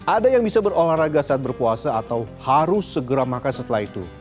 ada yang bisa berolahraga saat berpuasa atau harus segera makan setelah itu